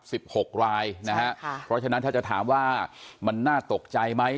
หกรายนะฮะค่ะเพราะฉะนั้นถ้าจะถามว่ามันน่าตกใจไหม